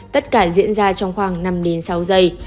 tất cả diễn ra trong khoảng năm sáu giây